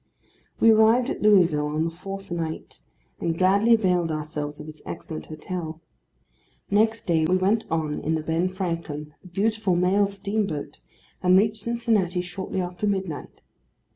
We arrived at Louisville on the fourth night, and gladly availed ourselves of its excellent hotel. Next day we went on in the Ben Franklin, a beautiful mail steamboat, and reached Cincinnati shortly after midnight.